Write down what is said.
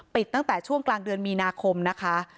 ตั้งแต่ช่วงกลางเดือนมีนาคมนะคะ